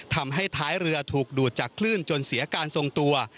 ทำให้ท้ายเรือถูกดูดจากคลื่นจนเสียการทรงตัว